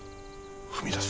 踏み出す。